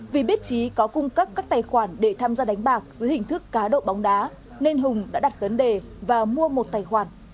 vì biết trí có cung cấp các tài khoản để tham gia đánh bạc dưới hình thức cá độ bóng đá nên hùng đã đặt vấn đề và mua một tài khoản